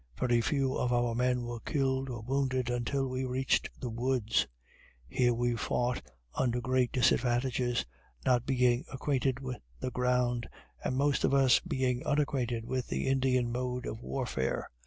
Very few of our men were killed or wounded until we reached the woods; here we fought under great disadvantages, not being acquainted with the ground, and most of us being unacquainted with the Indian mode of warfare.